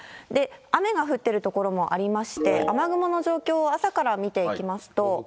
雨が降ってる所もありまして、雨雲の状況を朝から見ていきますと。